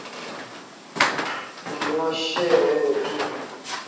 Unioshe wewe tu.